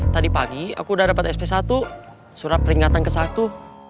tadi pagi aku udah dapat sp satu surat peringatan ke satu